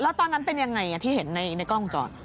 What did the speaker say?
แล้วตอนนั้นเป็นยังไงที่เห็นในกล้องจอด